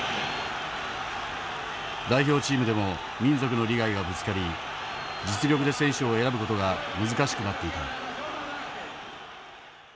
代表チームでも民族の利害がぶつかり実力で選手を選ぶ事が難しくなっていた。